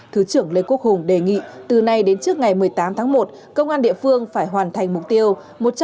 thứ trưởng lê quốc hùng đề nghị từ nay đến trước ngày một mươi tám tháng một công an địa phương phải hoàn thành mục tiêu